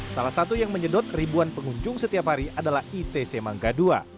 salah satu yang menyedot ribuan pengunjung setiap hari adalah itc mangga ii